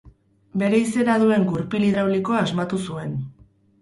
Bere izena duen gurpil hidraulikoa asmatu zuen.